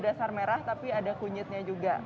dasar merah tapi ada kunyitnya juga